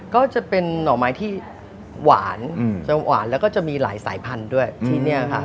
ก็จะเป็นหน่อไม้ที่หวานจะหวานแล้วก็จะมีหลายสายพันธุ์ด้วยที่นี่ค่ะ